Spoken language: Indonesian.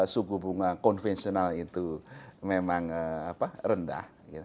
suku bunga konvensional itu memang rendah